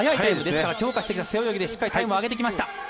ですから強化してきた背泳ぎでしっかりタイムを上げてきました。